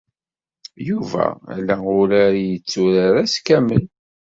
Yuba ala urar i yetturar ass kamel.